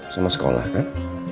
sama sekolah kan